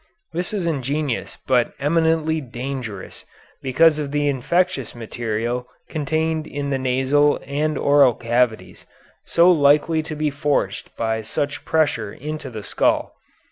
This is ingenious but eminently dangerous because of the infectious material contained in the nasal and oral cavities, so likely to be forced by such pressure into the skull.